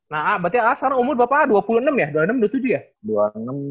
nah berarti sekarang umur berapa dua puluh enam dua puluh tujuh ya